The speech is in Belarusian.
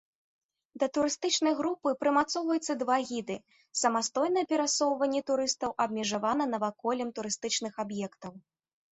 Да турыстычнай групы прымацоўваецца два гіды, самастойнае перасоўванне турыстаў абмежавана наваколлем турыстычных аб'ектаў.